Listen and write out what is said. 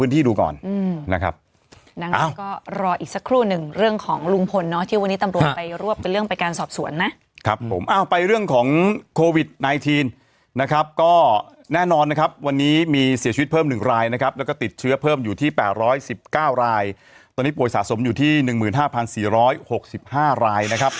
ตอนนี้ประวัติศาสมอยู่ที่๑หมื่น๕พัน๔รอย๖๕ลาย